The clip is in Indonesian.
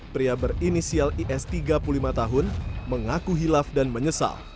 pria berinisial is tiga puluh lima tahun mengaku hilaf dan menyesal